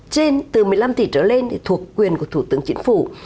trên từ một mươi năm tỷ trở lên thì thuộc quyền của thủ tướng chính phủ